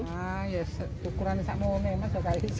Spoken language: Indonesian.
nah ya ukurannya sama memang